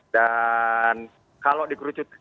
dan kalau dikerucutkan